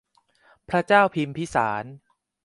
พระเจ้าพิมพิสาร